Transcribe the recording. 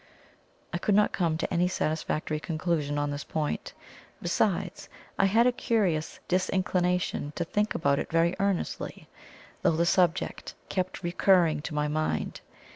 I could not come to any satisfactory conclusion on this point, besides, I had a curious disinclination to think about it very earnestly, though the subject kept recurring to my mind.